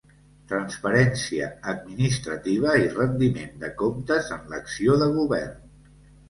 Transparència administrativa i rendiment de comptes en l'acció de Govern.